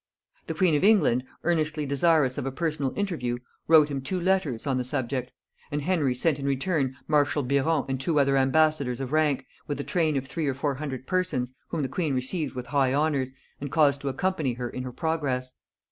The queen of England, earnestly desirous of a personal interview, wrote him two letters on the subject; and Henry sent in return marshal Biron and two other ambassadors of rank, with a train of three or four hundred persons, whom the queen received with high honors, and caused to accompany her in her progress.